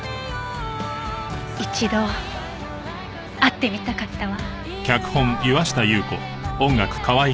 一度会ってみたかったわ。